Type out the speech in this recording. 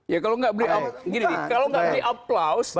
ya kalau enggak beli aplaus